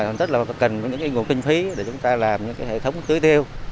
chẳng thích là cần những cái nguồn kinh phí để chúng ta làm những cái hệ thống tưới tiêu